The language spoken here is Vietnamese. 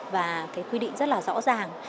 và quy định rất rõ ràng